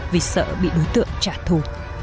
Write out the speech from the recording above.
vì sợ bị đối tượng trả thù